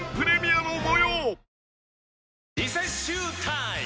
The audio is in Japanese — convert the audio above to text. リセッシュータイム！